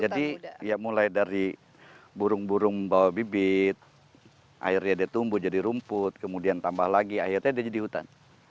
jadi ya mulai dari burung burung bawa bibit airnya dia tumbuh jadi rumput kemudian tambah lagi akhirnya dia jadi hutan